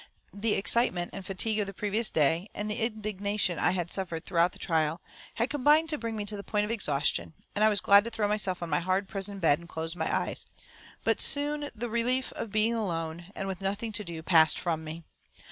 The excitement and fatigue of the previous day, and the indignation I had suffered throughout the trial, had combined to bring me to the point of exhaustion, and I was glad to throw myself on my hard prison bed and close my eyes. But soon the relief of being alone, and with nothing to do, passed from me.